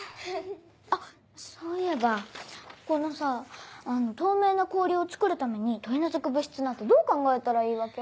あっそういえばここのさ透明な氷を作るために取り除く物質なんてどう考えたらいいわけ？